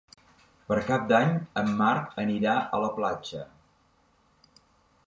Per Cap d'Any en Marc anirà a la platja.